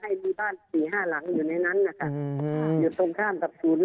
ให้มีบ้านสี่ห้าหลังอยู่ในนั้นนะคะอยู่ตรงข้ามกับศูนย์